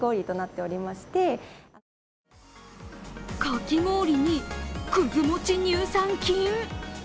かき氷に、くず餅乳酸菌！？